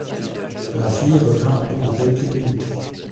La fille revint au bout de quelques minutes.